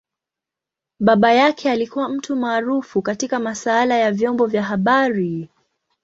Baba yake alikua mtu maarufu katika masaala ya vyombo vya habari.